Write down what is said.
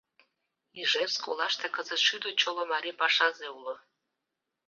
Ижевск олаште кызыт шӱдӧ чоло марий пашазе уло.